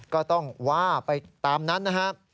ก็ต้องว่าไปตามนั้นนะครับ